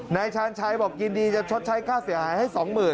ชาญชัยบอกยินดีจะชดใช้ค่าเสียหายให้๒๐๐๐